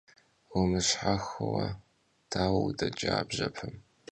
Vumışhexıue daue vudeç'a a bjepem?